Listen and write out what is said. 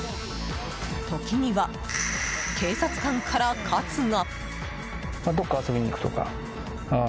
時には警察官から、喝が！